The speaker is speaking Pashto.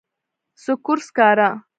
سکور، سکارۀ